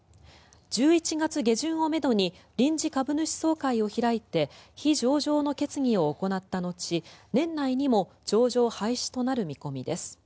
１１月下旬をめどに臨時株主総会を開いて非上場の決議を行った後年内にも上場廃止となる見込みです。